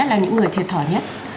là những người thiệt thỏ nhất